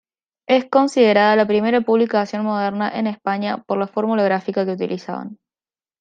Es considerada la primera publicación moderna en España por la fórmula gráfica que utilizaban.